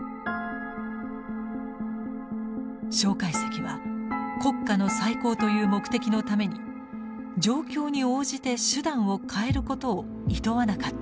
介石は国家の再興という目的のために状況に応じて手段を変えることをいとわなかったのです。